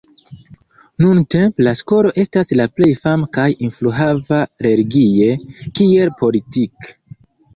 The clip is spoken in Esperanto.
Nuntempe, la skolo estas la plej fama kaj influhava religie kiel politike.